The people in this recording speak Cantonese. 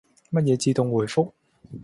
乜嘢自動回覆？